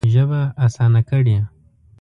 ژبه اسانه کړې.